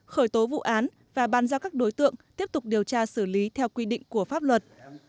khởi tố vụ án và bàn giao các đối tượng tiếp tục điều tra xử lý theo quy định của pháp luật